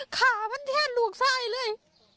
ขามันแทนลูกไส้เลย